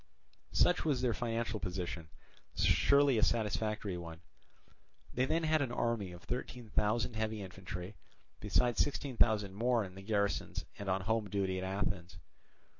Such was their financial position—surely a satisfactory one. Then they had an army of thirteen thousand heavy infantry, besides sixteen thousand more in the garrisons and on home duty at Athens.